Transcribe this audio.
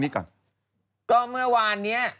ก็เมื่อวานเนี้ย